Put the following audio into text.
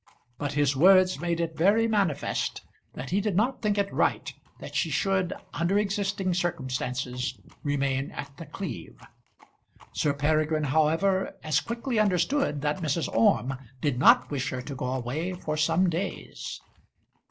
But his words made it very manifest that he did not think it right that she should under existing circumstances remain at The Cleeve. Sir Peregrine, however, as quickly understood that Mrs. Orme did not wish her to go away for some days.